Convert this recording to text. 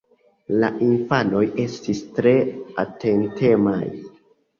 La infanoj estis tre atentemaj.